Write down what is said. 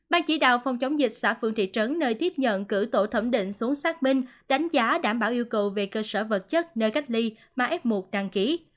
ban chỉ đạo phòng chống dịch xã phương thị trấn nơi tiếp nhận cử tổ thẩm định xuống xác minh đánh giá đảm bảo yêu cầu về cơ sở vật chất nơi cách ly mà f một đăng ký